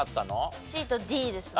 ＣとＤですね。